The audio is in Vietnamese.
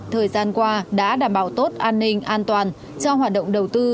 thời gian qua đã đảm bảo tốt an ninh an toàn cho hoạt động đầu tư